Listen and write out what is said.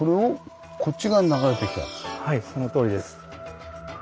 はいそのとおりです。